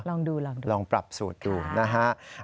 ลองดูลองปรับสูตรดูนะฮะ